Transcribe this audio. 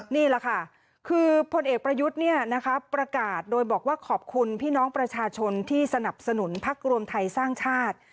นี่แหละค่ะคือพลเอกประยุทธ์ประกาศโดยบอกว่าขอบคุณพี่น้องประชาชนที่สนับสนุนพักรวมไทยสร้างชาติ